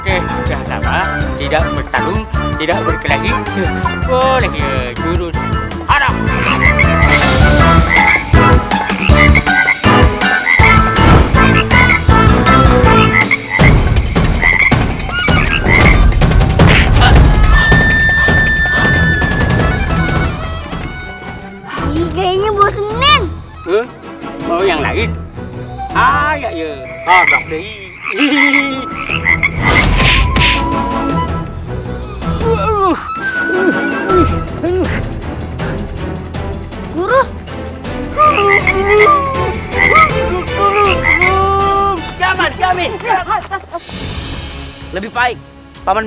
sekarang ilmu kalian sudah mustahil